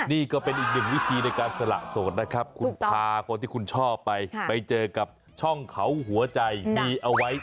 นี่ก็เป็นอีกหนึ่งวิธีในการสละโสดนะครับคุณพาคนที่คุณชอบไปไปเจอกับช่องเขาหัวใจมีเอาไว้